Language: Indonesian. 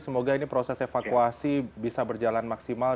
semoga ini proses evakuasi bisa berjalan maksimal